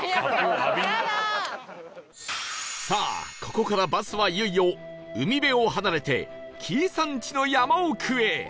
さあここからバスはいよいよ海辺を離れて紀伊山地の山奥へ